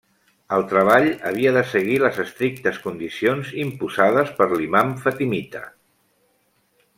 El treball havia de seguir les estrictes condicions imposades per l'Imam fatimita.